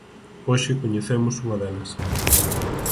Hoxe coñecemos unha delas.